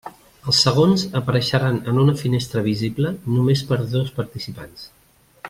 Els segons, apareixeran en una finestra visible només per a dos participants.